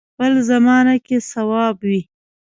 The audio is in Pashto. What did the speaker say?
بل زمانه کې صواب وي.